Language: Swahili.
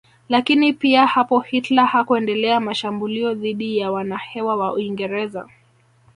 Lakini pia hapo Hitler hakuendelea mashambulio dhidi ya wanahewa wa Uingereza